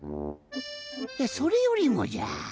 いやそれよりもじゃ。